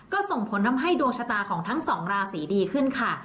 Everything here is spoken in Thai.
ก็ส่งผลทำให้ดวงชะตาของทั้งสองราศีดีขึ้นค่ะ